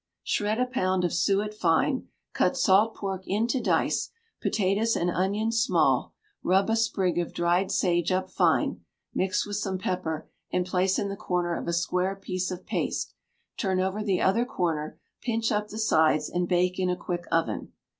Shred a pound of suet fine, cut salt pork into dice, potatoes and onions small, rub a sprig of dried sage up fine; mix with some pepper, and place in the corner of a square piece of paste; turn over the other corner, pinch up the sides, and bake in a quick oven.